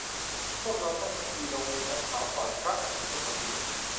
พวกเราต้องสกีลงไปจากเขาก่อนพระอาทิตย์จะตกดิน